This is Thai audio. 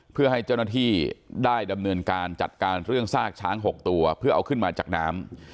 เพื่อให้เจ้าหน้าที่ได้ดำเนินการจัดการเรื่องซากช้าง๖ตัวเพื่อเอาขึ้นมาจากน้ำ